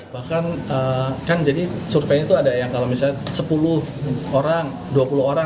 bahkan kan jadi surveinya itu ada yang kalau misalnya sepuluh orang dua puluh orang